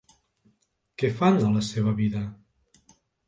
Què fan a la seva vida?